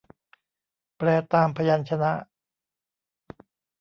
แปลตามพยัญชนะ